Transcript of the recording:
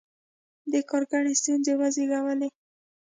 دې کار ګڼې ستونزې وزېږولې.